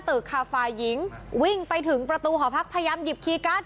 ตึกค่ะฝ่ายหญิงวิ่งไปถึงประตูหอพักพยายามหยิบคีย์การ์ด